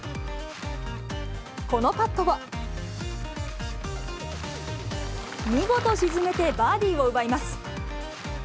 このパットを見事沈めてバーディーを奪います。